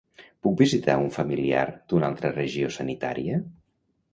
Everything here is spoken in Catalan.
Puc visitar un familiar d’una altra regió sanitària?